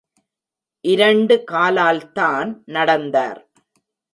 இரண்டு காலால்தான் நடந்தார்.